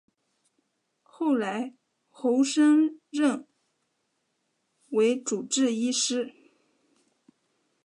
后来侯升任为主治医师。